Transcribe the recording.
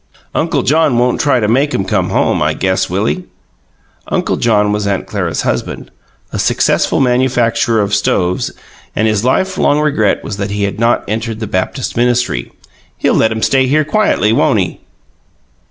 "Uncle John won't try to make 'em come back home, I guess, will he?" (Uncle John was Aunt Clara's husband, a successful manufacturer of stoves, and his lifelong regret was that he had not entered the Baptist ministry.) "He'll let 'em stay here quietly, won't he?"